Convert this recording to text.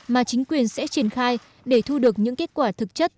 mà chính quyền sẽ triển khai để thu được những kết quả thực chất